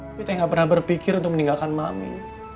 tapi tak pernah berpikir untuk meninggalkan mami